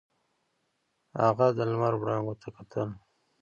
هغه د لمر وړانګو ته کتل.